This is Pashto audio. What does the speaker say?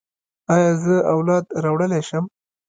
ایا زه اولاد راوړلی شم؟